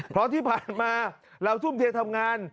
เพราะที่ผ่านมาเราทุ่มเททำงาน